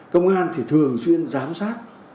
công an thì thường xuyên giám sát